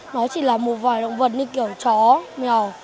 nó chỉ là một loài động vật như kiểu chó mèo